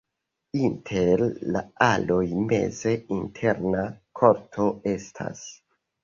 Inter la aloj meze interna korto estas.